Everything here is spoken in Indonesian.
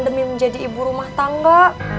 demi menjadi ibu rumah tangga